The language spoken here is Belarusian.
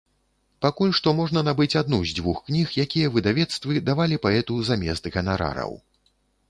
Пакуль што можна набыць адну з дзвюх кніг, якія выдавецтвы давалі паэту замест ганарараў.